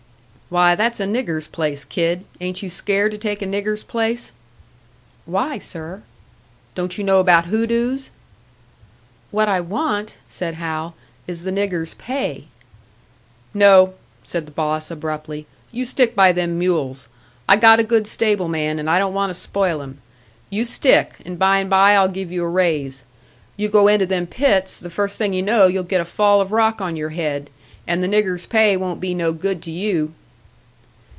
"Why, that's a nigger's place, kid. Ain't you scared to take a nigger's place?" "Why, sir?" "Don't you know about hoodoos?" "What I want," said Hal, "is the nigger's pay." "No," said the boss, abruptly, "you stick by them mules. I got a good stableman, and I don't want to spoil him. You stick, and by and by I'll give you a raise. You go into them pits, the first thing you know you'll get a fall of rock on your head, and the nigger's pay won't be no good to you."